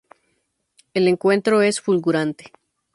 El encuentro es fulgurante.